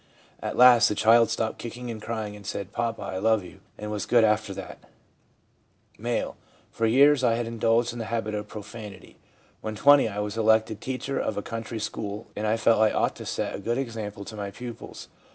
At last the child stopped kicking and crying and said, "Papa, I .love you," and was good after that/ M. 1 For years I had indulged in the habit of profanity. When 20, I was elected teacher of a country school, and I felt I ought to set a good example to my pupils.